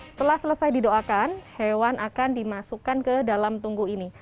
setelah selesai didoakan hewan akan dimasukkan ke dalam tunggu ini